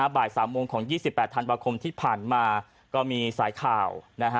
บ่าย๓โมงของ๒๘ธันวาคมที่ผ่านมาก็มีสายข่าวนะฮะ